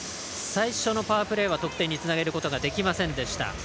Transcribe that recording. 最初のパワープレーは得点につなげることができませんでした。